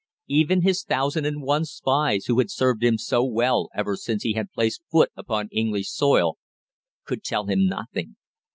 Even his thousand and one spies who had served him so well ever since he had placed foot upon English soil could tell him nothing.